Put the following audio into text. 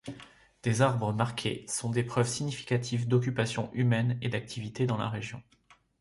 Des arbres marqués sont des preuves significatives d'occupation humaine et d'activités dans la région.